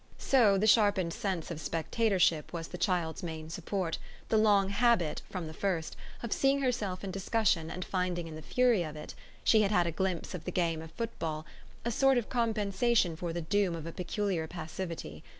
So the sharpened sense of spectatorship was the child's main support, the long habit, from the first, of seeing herself in discussion and finding in the fury of it she had had a glimpse of the game of football a sort of compensation for the doom of a peculiar passivity.